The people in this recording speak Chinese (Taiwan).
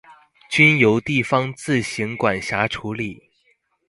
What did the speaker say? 均由地方自行管轄處理